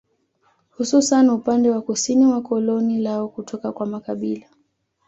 Hususan upande wa kusini wa koloni lao kutoka kwa makabila